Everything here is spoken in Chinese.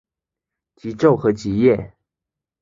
极昼和极夜。